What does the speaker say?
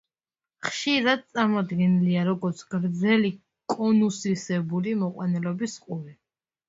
ხშირად წარმოდგენილია როგორც გრძელი კონუსისებური მოყვანილობის ყურე.